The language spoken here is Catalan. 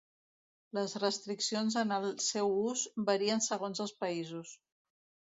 Les restriccions en el seu ús varien segons els països.